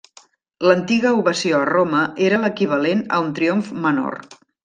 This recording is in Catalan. L'antiga ovació a Roma era l'equivalent a un triomf menor.